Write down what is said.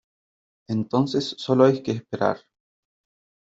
entonces solo hay que esperar .